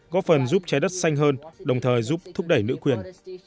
có phần giúp trái đất xanh hơn đồng thời giúp thúc đẩy nữ quyền